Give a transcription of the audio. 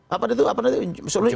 apa itu apa itu